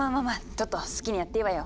トット好きにやっていいわよ。